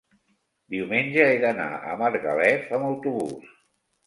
diumenge he d'anar a Margalef amb autobús.